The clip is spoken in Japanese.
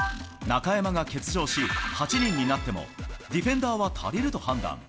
中山が欠場し、８人になっても、ディフェンダーは足りると判断。